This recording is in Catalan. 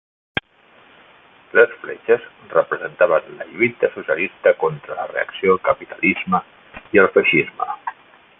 Les fletxes representaven la lluita socialista contra la reacció, el capitalisme i el feixisme.